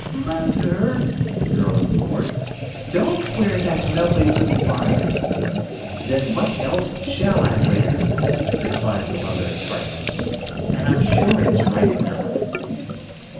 "Mother!" the girl implored, "don't wear that nubbly little bonnet." "Then what else shall I wear," replied the mother tartly. "And I'm sure it's right enough."